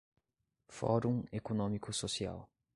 Fórum Econômico Social